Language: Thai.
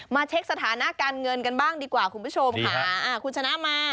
เช็คสถานะการเงินกันบ้างดีกว่าคุณผู้ชมค่ะอ่าคุณชนะมา